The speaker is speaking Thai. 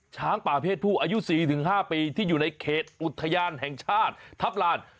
ช้างป่าเพศผู้อายุ๔๕ปีที่อยู่ในเขตอุทยานแห่งชาติทัพลาน